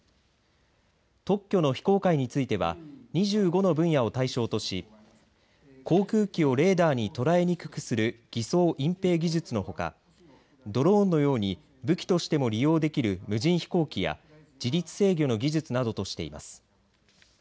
特許の非公開については２５の分野を対象とし航空機をレーダーに捉えにくくする偽装・隠蔽技術のほかドローンのように武器としても利用できる無人飛行機や自立制御の技術などとしています。